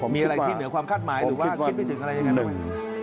มีอะไรที่เหนือความคาดหมายหรือว่าคิดไม่ถึงอะไรยังไง